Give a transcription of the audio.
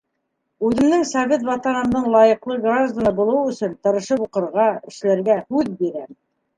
Үҙемдең Совет Ватанымдың лайыҡлы гражданы булыу өсөн тырышып уҡырға, эшләргә һүҙ бирәм...